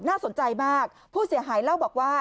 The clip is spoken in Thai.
น่าสนใจมากผู้เสียหายเล่าบอกว่า